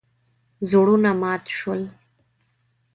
زړونه مات شول.